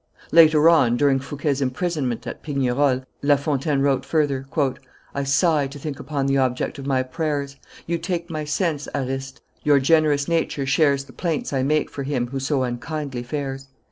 Later on, during Fouquet's imprisonment at Pignerol, La Fontaine wrote further, "I sigh to think upon the object of my prayers; You take my sense, Ariste; your generous nature shares The plaints I make for him who so unkindly fares.